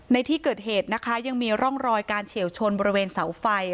ในที่เกิดเหตุนะคะยังมีร่องรอยการเฉียวชนบริเวณเสาไฟ